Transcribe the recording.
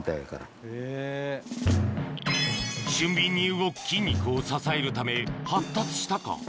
俊敏に動く筋肉を支えるため発達したか？